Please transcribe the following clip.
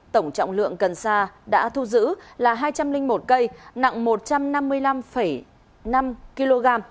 tổng trọng lượng cần sa đã thu giữ là hai trăm linh một cây nặng một trăm năm mươi năm năm kg